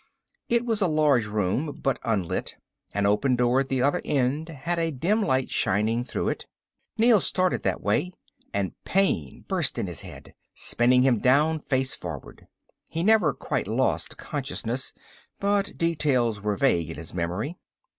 It was a large room, but unlit. An open door at the other end had a dim light shining through it. Neel started that way and pain burst in his head, spinning him down, face forward. He never quite lost consciousness, but details were vague in his memory.